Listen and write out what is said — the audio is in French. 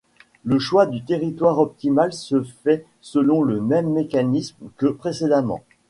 Le choix du territoire optimal se fait selon le même mécanisme que précédemment.